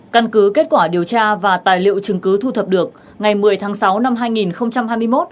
căn cứ kết quả điều tra và tài liệu chứng cứ thu thập được ngày một mươi tháng sáu năm hai nghìn hai mươi một